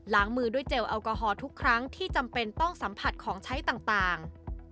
มือด้วยเจลแอลกอฮอลทุกครั้งที่จำเป็นต้องสัมผัสของใช้ต่าง